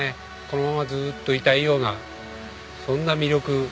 このままずっといたいようなそんな魅力ありました。